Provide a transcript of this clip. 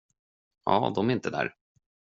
Ja, de är inte där.